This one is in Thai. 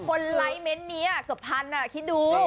คนไลก์เม้นท์นี้อ่ะเกือบพันธุ์อ่ะคิดดู